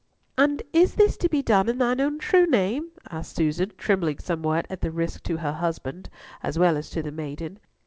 "And is this to be done in thine own true name?" asked Susan, trembling somewhat at the risk to her husband, as well as to the maiden.